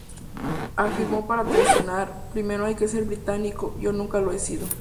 Afirmó: "Para traicionar, primero hay que ser británico; yo nunca lo he sido.